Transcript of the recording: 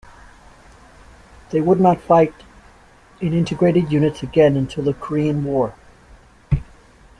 They would not fight in integrated units again until the Korean War.